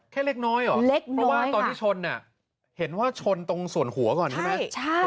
เล็กน้อยเหรอเล็กน้อยเพราะว่าตอนที่ชนเห็นว่าชนตรงส่วนหัวก่อนใช่ไหม